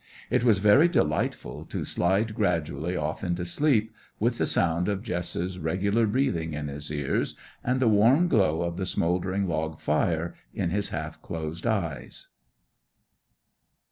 It was very delightful to slide gradually off into sleep, with the sound of Jess's regular breathing in his ears, and the warm glow of the smouldering log fire in his half closed eyes.